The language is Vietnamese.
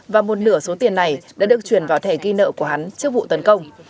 và một nửa số tiền này đã được chuyển vào thẻ ghi nợ của hắn trước vụ tấn công